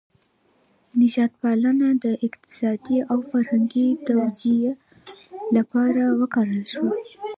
نژاد پالنه د اقتصادي او فرهنګي توجیه لپاره وکارول شوه.